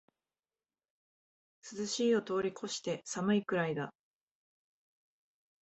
涼しいを通りこして寒いくらいだ